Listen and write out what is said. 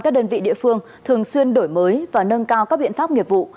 các đơn vị địa phương thường xuyên đổi mới và nâng cao các biện pháp nghiệp vụ